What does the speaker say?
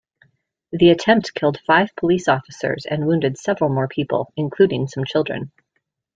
The attempt killed five police officers and wounded several more people, including some children.